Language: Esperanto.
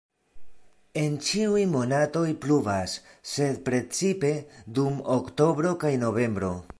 En ĉiuj monatoj pluvas, sed precipe dum oktobro kaj novembro.